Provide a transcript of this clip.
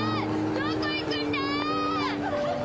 どこ行くんだー！？